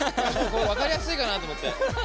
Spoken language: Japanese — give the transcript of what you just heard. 分かりやすいかなと思って。